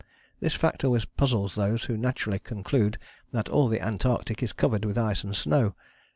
This fact always puzzles those who naturally conclude that all the Antarctic is covered with ice and snow.